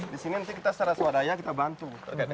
di sini nanti kita secara swadaya kita bantu